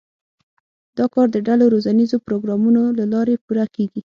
دا کار د ډلو روزنیزو پروګرامونو له لارې پوره کېږي.